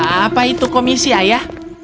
apa itu komisi ayah